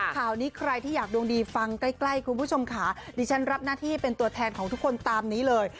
ข่าวนี้ใครที่อยากดวงดีฟังใกล้คุณผู้ชมค่ะดิฉันรับหน้าที่เป็นตัวแทนของทุกคนตามนี้เลย